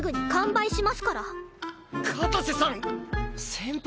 先輩！